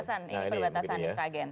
ini perbatasan di sragen